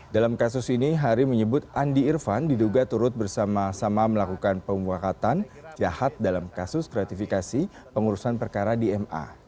dalam kasus ini hari menyebut andi irfan diduga turut bersama sama melakukan pemuakatan jahat dalam kasus gratifikasi pengurusan perkara di ma